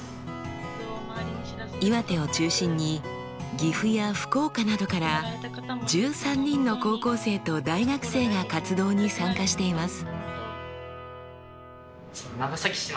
岩手を中心に岐阜や福岡などから１３人の高校生と大学生が活動に参加しています。